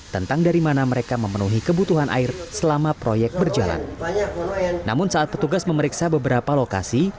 tidak ada pihak proyek yang berwenang untuk diminta konfirmasi